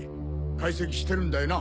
解析してるんだよな？